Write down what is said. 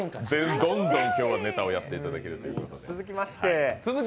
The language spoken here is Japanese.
どんどん今日はネタをやっていただけるということで。